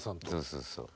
そうそうそう。